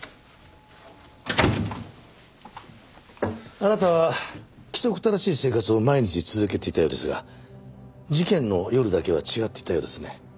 あなたは規則正しい生活を毎日続けていたようですが事件の夜だけは違っていたようですね。